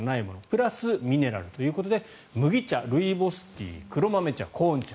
プラス、ミネラルということで麦茶、ルイボスティー黒豆茶、コーン茶。